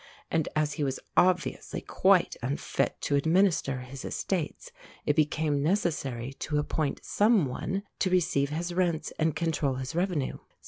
And as he was obviously quite unfit to administer his estates, it became necessary to appoint some one to receive his rents and control his revenue.